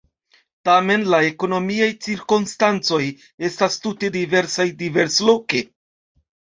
Tamen la ekonomiaj cirkonstancoj estas tute diversaj diversloke.